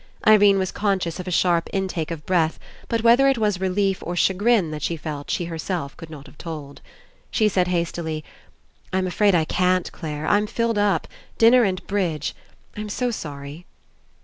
Irene was conscious of a sharp intake of breath, but whether it was relief or chagrin that she felt, she herself could not have told. She said hastily: "I'm afraid I can't, Clare. I'm filled up. Dinner and bridge. I'm so sorry."